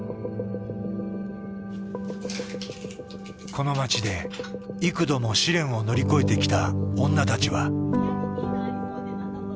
この街で幾度も試練を乗り越えてきた女たちは。